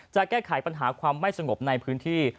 จะแก้ไขปัญหาความไม่สงบในพื้นที่